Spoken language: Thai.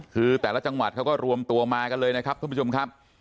คือแต่ละจังหวัดเขาก็รวมตัวมากันเลยนะครับทุกผู้ชมครับ